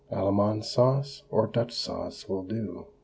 Allemande sauce or Dutch sauce will do.